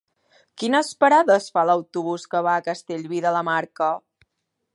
Quines parades fa l'autobús que va a Castellví de la Marca?